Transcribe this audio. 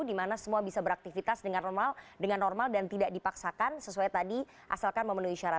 dimana semua bisa beraktifitas dengan normal dan tidak dipaksakan sesuai tadi asalkan memenuhi syarat